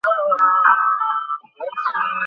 আপনার চেয়ে অনেক ছোট আমি।